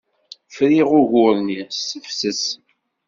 Friɣ ugur-nni s tefses.